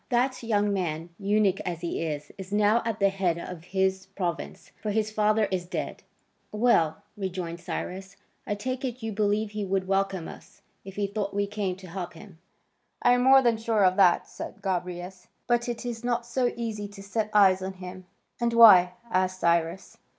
That young man, eunuch as he is, is now at the head of his province, for his father is dead." "Well," rejoined Cyrus, "I take it, you believe he would welcome us, if he thought we came to help him?" "I am more than sure of that," said Gobryas, "but it is not so easy to set eyes on him." "And why?" asked Cyrus.